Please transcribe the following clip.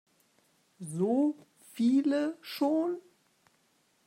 So viele schon?